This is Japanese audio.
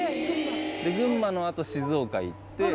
で群馬の後静岡行って。